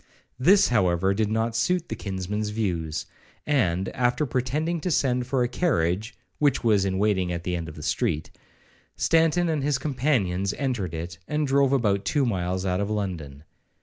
This, however, did not suit the kinsman's views; and, after pretending to send for a carriage, (which was in waiting at the end of the street), Stanton and his companions entered it, and drove about two miles out of London.